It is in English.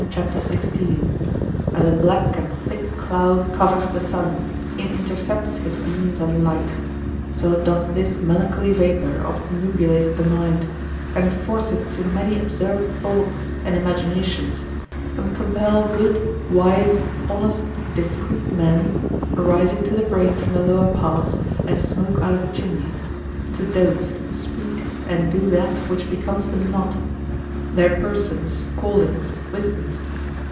c. 16. as a black and thick cloud covers the sun, and intercepts his beams and light, so doth this melancholy vapour obnubilate the mind, enforce it to many absurd thoughts and imaginations, and compel good, wise, honest, discreet men (arising to the brain from the lower parts, as smoke out of a chimney) to dote, speak, and do that which becomes them not, their persons, callings, wisdoms.